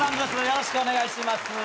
よろしくお願いします。